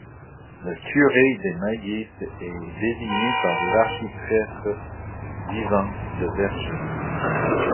Le curé des Maillys est désigné par l'archiprêtre Vivant de Vergy.